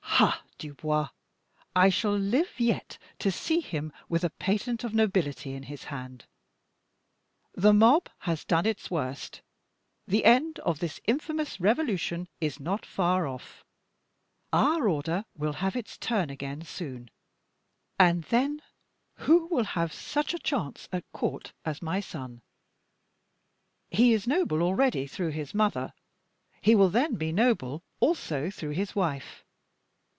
"Ha, Dubois, I shall live yet to see him with a patent of nobility in his hand. The mob has done its worst; the end of this infamous revolution is not far off; our order will have its turn again soon, and then who will have such a chance at court as my son? He is noble already through his mother, he will then be noble also through his wife.